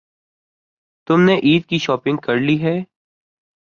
تم نے عید کی شاپنگ کر لی ہے؟